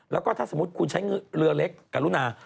แล้วก็ถ้าสมมุติคุณใช้เรือเล็กกรุณา